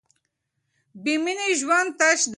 بې مینې ژوند تش دی.